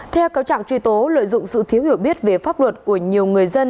theo cáo trạng truy tố lợi dụng sự thiếu hiểu biết về pháp luật của nhiều người dân